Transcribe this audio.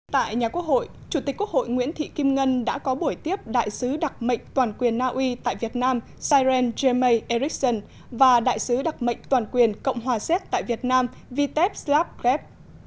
tại nhà quốc hội chủ tịch quốc hội nguyễn thị kim ngân đã có buổi tiếp đại sứ đặc mệnh toàn quyền naui tại việt nam siren jemay erickson và đại sứ đặc mệnh toàn quyền cộng hòa xét tại việt nam viteb slapgrep